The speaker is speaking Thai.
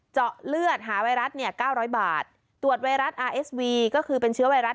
เจาะเลือดหาไวรัสเนี่ย๙๐๐บาทตรวจไวรัสอาร์เอสวีก็คือเป็นเชื้อไวรัส